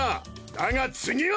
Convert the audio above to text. だが次は。